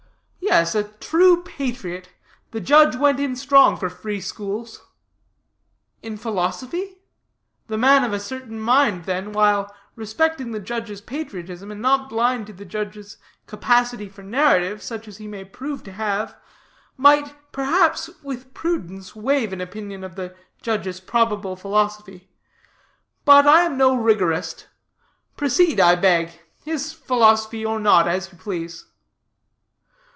Yes, a true patriot, the judge went in strong for free schools." "In philosophy? The man of a certain mind, then, while respecting the judge's patriotism, and not blind to the judge's capacity for narrative, such as he may prove to have, might, perhaps, with prudence, waive an opinion of the judge's probable philosophy. But I am no rigorist; proceed, I beg; his philosophy or not, as you please."